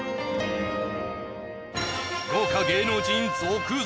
豪華芸能人続々！